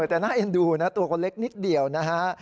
แต่น่าเอ็นดูนะตัวคนเล็กนิดเดียวนะฮะ